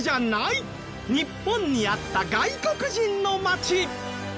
日本にあった外国人の街。